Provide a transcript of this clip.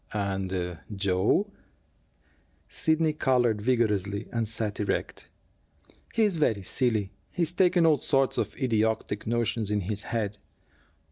"And Joe?" Sidney colored vigorously and sat erect. "He is very silly. He's taken all sorts of idiotic notions in his head."